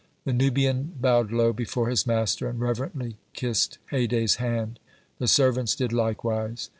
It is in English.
The Nubian bowed low before his master and reverently kissed Haydée's hand; the servants did likewise.